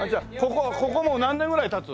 ここはもう何年ぐらい経つ？